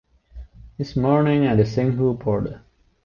This morning at the Singhu Border.